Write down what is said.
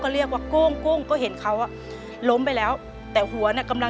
เปลี่ยนเพลงเพลงเก่งของคุณและข้ามผิดได้๑คำ